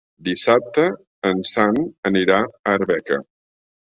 Dissabte en Sam anirà a Arbeca.